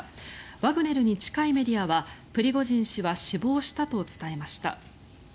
ワグネルに近いメディアはプリゴジン氏は死亡したと伝えました。